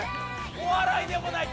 お笑いでもない